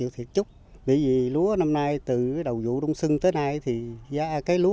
thì phải sản phẩm